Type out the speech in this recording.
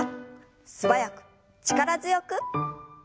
素早く力強く。